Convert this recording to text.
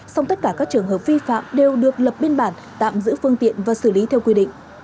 song tất cả các trường hợp vi phạm đều được lập biên bản tạm giữ phương tiện và xử lý theo quy định